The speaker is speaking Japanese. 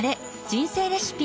人生レシピ」。